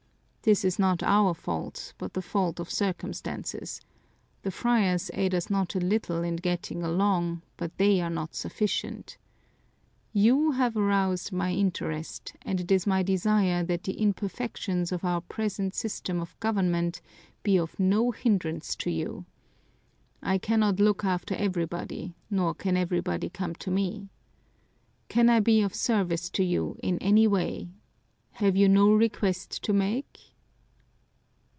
This is not our fault but the fault of circumstances the friars aid us not a little in getting along, but they are not sufficient. You have aroused my interest and it is my desire that the imperfections of our present system of government be of no hindrance to you. I cannot look after everybody nor can everybody come to me. Can I be of service to you in any way? Have you no request to make?"